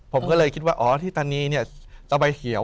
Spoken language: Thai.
ผมก็เลยคิดว่าอ๋อที่ตานีเนี่ยเอาใบเหี่ยว